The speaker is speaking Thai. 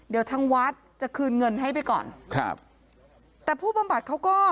เดี๋ยวทางวัดจะคืนเงินให้ไปก่อนครับแต่ผู้บำบัดเขาก็